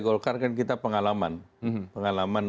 golkar kan kita pengalaman pengalaman